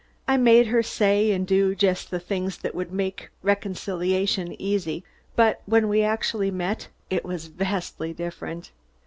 I made her say and do just the things that would make a reconciliation easy, but when we actually met, it was vastly different.